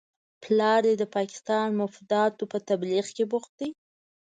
پلار دې د پاکستاني مفاداتو په تبلیغ کې بوخت دی؟